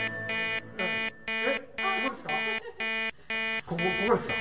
えっここですか？